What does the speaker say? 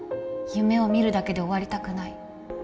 夢を見るだけで終わりたくない